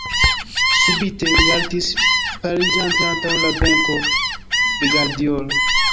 Subite li haltis paliĝante antaŭ la benko de Gardiol.